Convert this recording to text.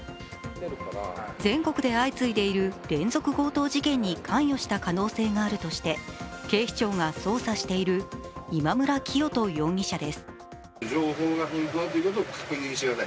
全国で相次いでいる連続強盗事件に関与した可能性があるとして警視庁が捜査している今村磨人容疑者です。